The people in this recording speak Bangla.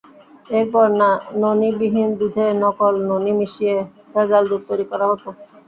এরপর ননিবিহীন দুধে নকল ননি মিশিয়ে ভেজাল দুধ তৈরি করা হতো।